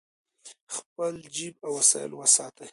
خپل جیب او وسایل وساتئ.